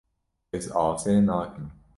Ez asê nakim.